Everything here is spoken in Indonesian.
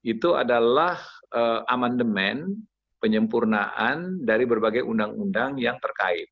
itu adalah amandemen penyempurnaan dari berbagai undang undang yang terkait